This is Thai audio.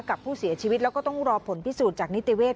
กับผู้เสียชีวิตแล้วก็ต้องรอผลพิสูจน์จากนิติเวศ